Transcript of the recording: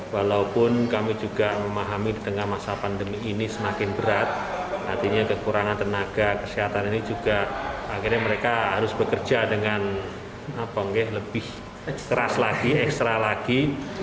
walaupun kami juga memahami di tengah masa pandemi ini semakin berat artinya kekurangan tenaga kesehatan ini juga akhirnya mereka harus bekerja dengan lebih keras lagi ekstra lagi